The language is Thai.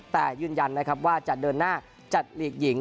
แต่ยืนยันนะครับว่าจะเดินหน้าจัดหลีกหญิง